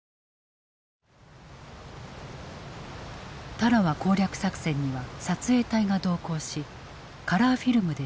タラワ攻略作戦には撮影隊が同行しカラーフィルムで記録した。